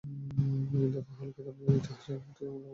কিন্তু আহলে কিতাবদের ইতিহাস এ মত সমর্থন করে না।